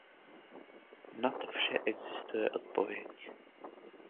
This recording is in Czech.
Na to vše existuje odpověď.